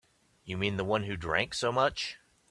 You mean the one who drank so much?